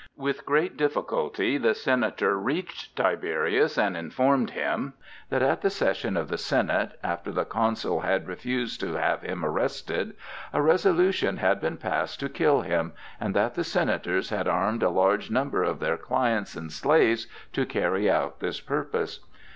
With great difficulty the Senator reached Tiberius and informed him that at the session of the Senate, after the Consul had refused to have him arrested, a resolution had been passed to kill him, and that the Senators had armed a large number of their clients and slaves to carry out this purpose.